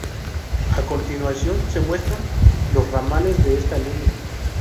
A continuación se muestran los ramales de esta línea.